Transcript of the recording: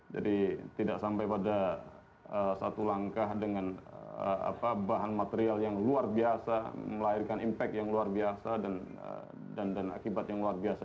jadi tidak sampai pada satu langkah dengan bahan material yang luar biasa melahirkan impact yang luar biasa dan akibat yang luar biasa